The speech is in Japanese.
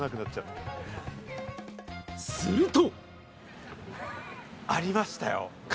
すると。